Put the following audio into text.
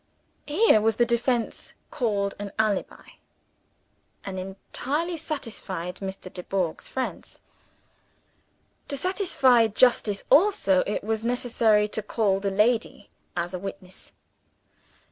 Here was the defense called an "alibi." It entirely satisfied Mr. Dubourg's friends. To satisfy justice also, it was necessary to call the lady as a witness.